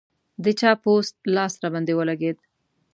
د چا پوست لاس راباندې ولګېد.